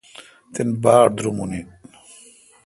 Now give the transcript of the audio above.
تن باڑ درومون این۔